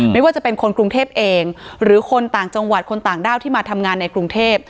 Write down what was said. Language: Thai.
ไม่ว่าจะเป็นคนกรุงเทพเองหรือคนต่างจังหวัดคนต่างด้าวที่มาทำงานในกรุงเทพ